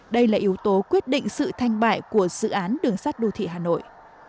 đây là yếu tố quyết định sự thanh bại của dự án đường sắt đô thị hà nội